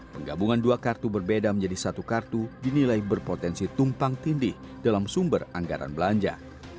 penggabungan dua kartu berbeda menjadi satu kartu dinilai berpotensi tumpang tindih dalam sumber anggaran belanja